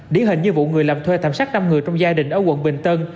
địa hình như vụ người làm thuê thảm sát năm người trong gia đình ở quận bình tân